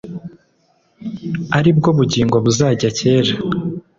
Ari bwo bugingo buzajya kera,